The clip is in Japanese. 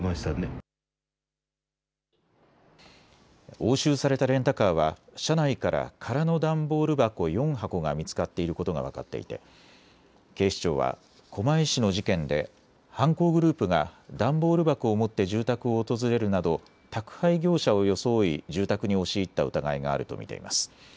押収されたレンタカーは車内から空の段ボール箱、４箱が見つかっていることが分かっていて警視庁は狛江市の事件で犯行グループが段ボール箱を持って住宅を訪れるなど宅配業者を装い住宅に押し入った疑いがあると見ています。